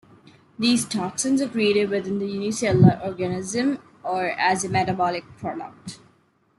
These toxins are created within the unicellular organism, or as a metabolic product.